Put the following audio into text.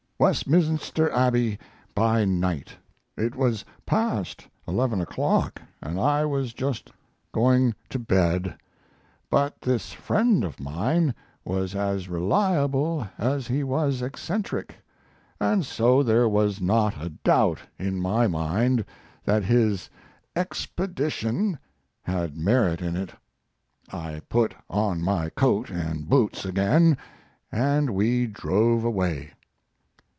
WESTMINSTER ABBEY BY NIGHT It was past eleven o'clock and I was just going to bed. But this friend of mine was as reliable as he was eccentric, and so there was not a doubt in my mind that his "expedition" had merit in it. I put on my coat and boots again, and we drove away.